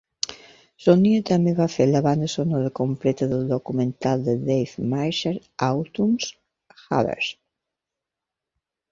Sonia també va fer la banda sonora completa del documental de Dave Marshall "Autumn's Harvest".